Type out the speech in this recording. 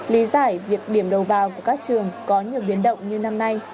lý giải việc điểm đầu vào của các trường có nhiều biến động như năm nay